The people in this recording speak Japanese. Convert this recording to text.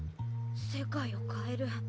世界を変える。